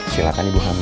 silakan ibu hamil